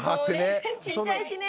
もうねちっちゃいしね。